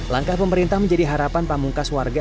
langkah pemerintah menjadi harapan pamungkas warga